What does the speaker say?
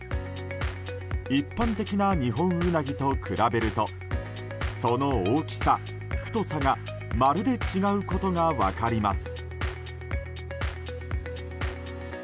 一般的なニホンウナギと比べるとその大きさ、太さがまるで違うことが分かります。